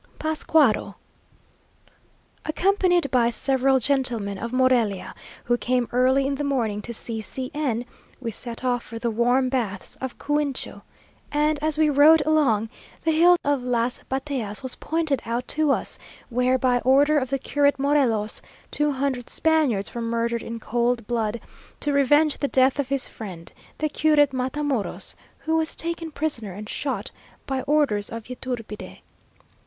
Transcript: PASCUARO. Accompanied by several gentlemen of Morelia, who came early in the morning to see C n, we set off for the warm baths of Cuincho; and as we rode along, the hill of Las Bateas was pointed out to us, where, by order of the Curate Morelos, two hundred Spaniards were murdered in cold blood, to revenge the death of his friend, the Curate Matamoros, who was taken prisoner and shot by orders of Yturbide.